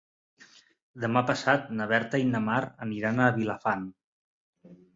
Demà passat na Berta i na Mar aniran a Vilafant.